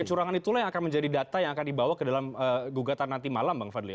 kecurangan itulah yang akan menjadi data yang akan dibawa ke dalam gugatan nanti malam bang fadli